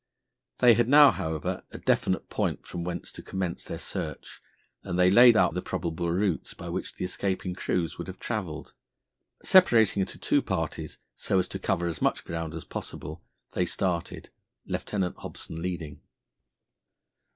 They had now, however, a definite point from whence to commence their search, and they laid out the probable routes by which the escaping crews would have travelled. Separating into two parties, so as to cover as much ground as possible, they started, Lieutenant Hobson leading.